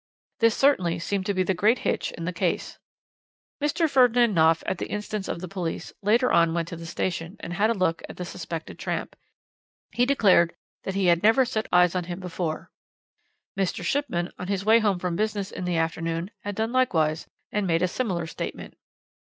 "This certainly seemed the great hitch in the case. "Mr. Ferdinand Knopf, at the instance of the police, later on went to the station and had a look at the suspected tramp. He declared that he had never set eyes on him before. "Mr. Shipman, on his way home from business in the afternoon, had done likewise, and made a similar statement.